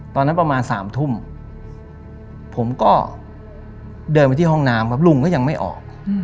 ตอนนั้นประมาณ๓ทุ่มผมก็เดินไปที่ห้องน้ำลุงก็ยังไม่ออก